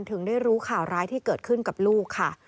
ถึงได้รู้ข่าวร้ายที่เกิดขึ้นกับลูกค่ะ